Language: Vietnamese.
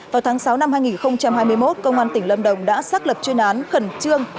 vào tháng sáu năm hai nghìn hai mươi một công an tỉnh lâm đồng đã xác lập chuyên án khẩn trương